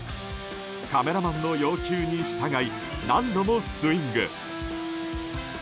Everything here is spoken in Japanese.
カメラマンの要求に従い何度もスイング。